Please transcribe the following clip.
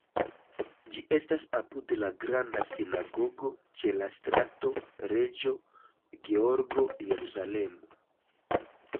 Ĝi estas apud la Granda Sinagogo ĉe la Strato Reĝo Georgo, Jerusalemo.